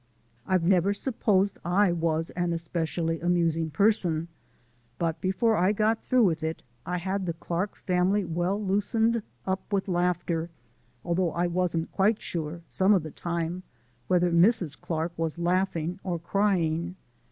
I've never supposed I was an especially amusing person, but before I got through with it I had the Clark family well loosened up with laughter, although I wasn't quite sure some of the time whether Mrs. Clark was laughing or crying.